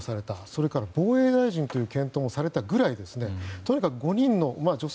それから、防衛大臣という検討もされたぐらいとにかく５人の女性。